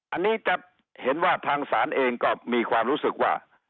อันนี้จะเห็นว่าทางศาลเองก็มีความรู้สึกว่า